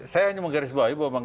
saya hanya mau garis bawah ini bahwa